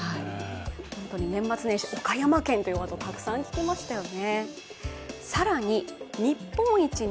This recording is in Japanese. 年末年始、岡山県というワード、たくさん聞きましたよね。